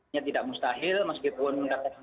ini tidak mustahil meskipun